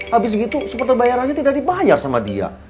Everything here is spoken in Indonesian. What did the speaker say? habis gitu supporter bayarannya tidak dibayar sama dia